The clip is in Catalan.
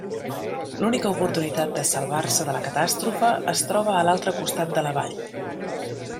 L'única oportunitat de salvar-se de la catàstrofe es troba a l'altre costat de la vall.